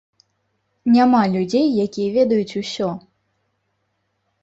Няма людзей, якія ведаюць усё.